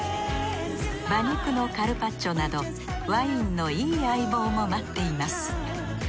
馬肉のカルパッチョなどワインのいい相棒も待っています。